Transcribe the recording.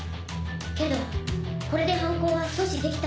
けどこれで犯行は阻止できたはず。